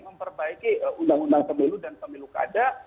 memperbaiki undang undang pemilu dan pemilu kada